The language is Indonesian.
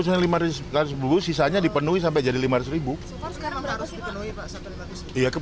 sampai juni apa jadinya